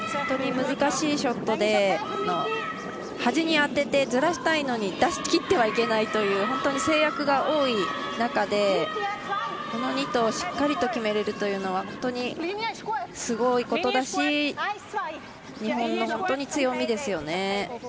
難しいショットで端に当てて、ずらしたいのに出しきってはいけないという本当に制約が多い中でこの２投、しっかりと決めれるというのは本当にすごいことだし日本の本当に強みですよね。